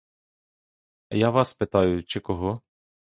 Я вас питаю чи кого?